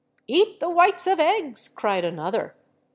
" Eat the whites of eggs/' cried another.